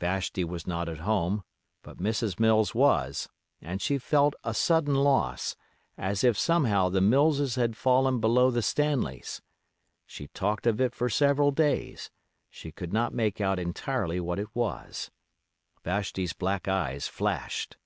Vashti was not at home, but Mrs. Mills was, and she felt a sudden loss, as if somehow the Millses had fallen below the Stanleys. She talked of it for several days; she could not make out entirely what it was. Vashti's black eyes flashed.